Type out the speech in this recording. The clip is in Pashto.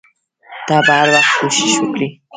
ته به هر وخت کوښښ وکړې.